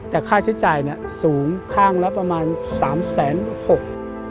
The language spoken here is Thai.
แต่ค่าใช้จ่ายสูงข้างละประมาณ๓๖๐๐๐๐๐บาท